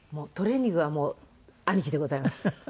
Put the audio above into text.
トレーニングはもう兄貴でございます。